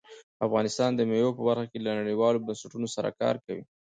افغانستان د مېوو په برخه کې له نړیوالو بنسټونو سره کار کوي.